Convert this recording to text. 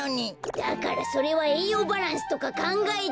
だからそれはえいようバランスとかかんがえて。